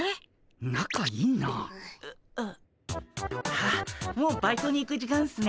あっもうバイトに行く時間っすね。